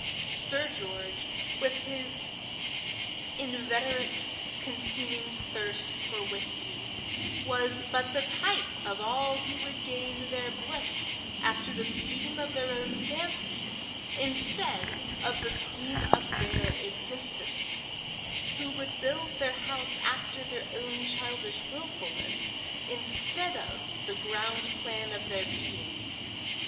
Sir George, with his inveterate, consuming thirst for whisky, was but the type of all who would gain their bliss after the scheme of their own fancies, instead of the scheme of their existence; who would build their house after their own childish wilfulness instead of the ground plan of their being.